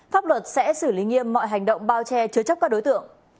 pháp luật sẽ xử lý nghiêm mọi hành động bao che chứa chấp các đối tượng